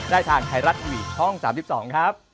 ได้ทางไทรัติวีช่อง๓๒ครับ